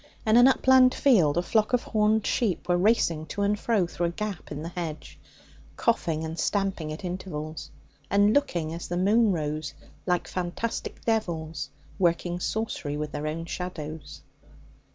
In an upland field a flock of horned sheep were racing to and fro through a gap in the hedge, coughing and stamping at intervals, and looking, as the moon rose, like fantastic devils working sorcery with their own shadows.